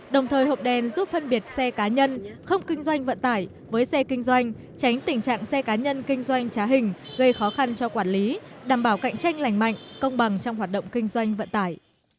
đồng thời hộp đèn giúp phân biệt xe cá nhân không kinh doanh vận tải với xe kinh doanh tránh tình trạng xe cá nhân kinh doanh trá hình gây khó khăn cho quản lý đảm bảo cạnh tranh lành mạnh công bằng trong hoạt động kinh doanh vận tải